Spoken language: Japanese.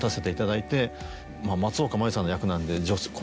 松岡茉優さんの役なんで。